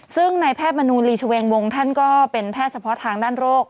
ซึ่งนายแพทย์มนูลีชเวงวงท่านก็เป็นแพทย์เฉพาะทางด้านโรค